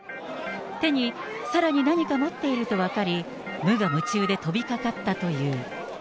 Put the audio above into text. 手にさらに何か持っていると分かり、無我夢中で飛びかかったという。